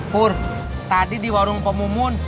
pur tadi di warung pemumun